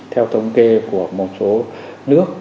theo thông kê của một số nước